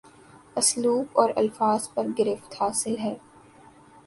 اسلوب اور الفاظ پر گرفت حاصل ہے